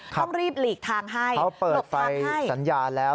ต้องรีบหลีกทางให้หลบทางให้เขาเปิดไฟสัญญาแล้ว